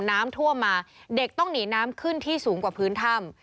น้ำท่วมมาเด็กต้องหนีน้ำขึ้นที่สูงกว่าพื้นถ้ำ